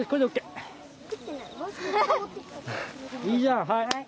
いいじゃんはい。